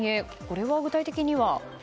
これは具体的には？